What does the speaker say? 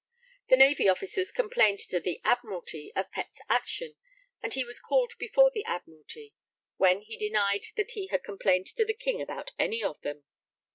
The Navy Officers complained to the Admiralty of Pett's action, and he was called before the Admiralty, when he denied that he had complained to the King about any of them.